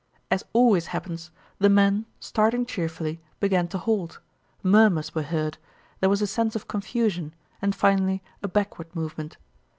As always happens the men, starting cheerfully, began to halt; murmurs were heard, there was a sense of confusion, and finally a backward movement.